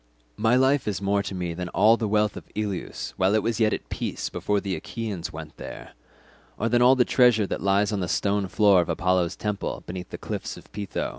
My life is more to me than all the wealth of Ilius while it was yet at peace before the Achaeans went there, or than all the treasure that lies on the stone floor of Apollo's temple beneath the cliffs of Pytho.